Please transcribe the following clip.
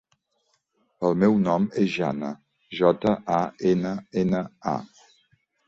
El meu nom és Janna: jota, a, ena, ena, a.